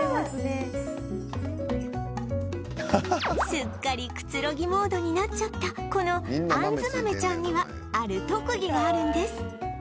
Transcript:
すっかりくつろぎモードになっちゃったこの杏豆ちゃんにはある特技があるんです